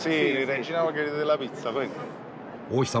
王妃様